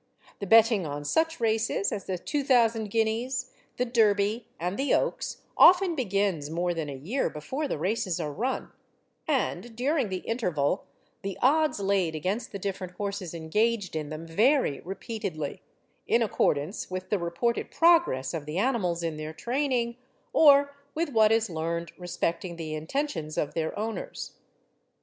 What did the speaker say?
The betting on such races as the Two Thousand Guineas, the Derby, and the Oaks, often begins more than a year before the races are run; and during the interval, the odds laid against the different horses engaged in them vary repeatedly, in accordance with the reported progress of the animals in their training, or with what is learned respecting the intentions of their owners.